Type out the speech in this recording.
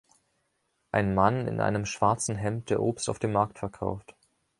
Ein Mann in einem schwarzen Hemd, der Obst auf dem Markt verkauft.